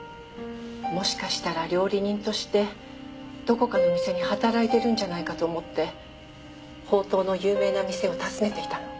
もしかしたら料理人としてどこかの店に働いてるんじゃないかと思ってほうとうの有名な店を訪ねていたの。